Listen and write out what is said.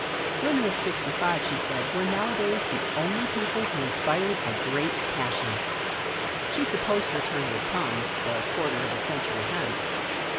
Widows of sixty five, she said, were nowadays the only people who inspired a great passion. She supposed her turn would come — a quarter of a century hence.